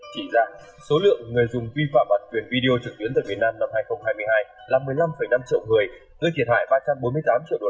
chỉ ra số lượng người dùng vi phạm bản quyền video trực tuyến từ việt nam năm hai nghìn hai mươi hai là một mươi năm năm triệu người